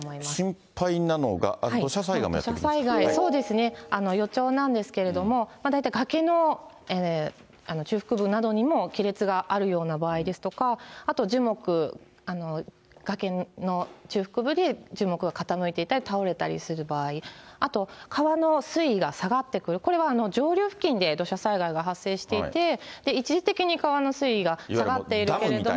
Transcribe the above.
心配なのが、土砂災害、そうですね、予兆なんですけれども、大体崖の中腹部などにも亀裂があるような場合ですとか、あと樹木、崖の中腹部に樹木が傾いていたり、倒れたりする場合、あと川の水位が下がってくる、これは上流付近で土砂災害が発生していて、一時的に川の水位が下がっているけれども。